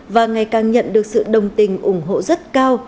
và ngày càng nhận được sự đồng tình ủng hộ rất cao